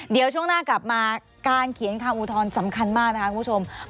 เดี๋ยวช่วงหน้ากลับมาการเขียนคำอุทธรณ์สำคัญมากนะคะคุณผู้ชม